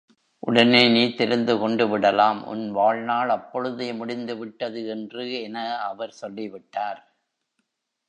உடனே நீ தெரிந்து கொண்டுவிடலாம், உன் வாழ்நாள் அப்பொழுதே முடிந்துவிட்டது என்று என அவர் சொல்லிவிட்டார்.